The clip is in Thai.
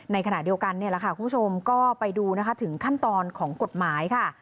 ในขณะเดียวกันคุณผู้ชมก็ไปดูถึงขั้นตอนของกฎหมายค่ะ